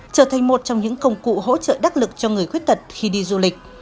trở thành một trong những công cụ hỗ trợ đắc lực cho người khuyết tật khi đi du lịch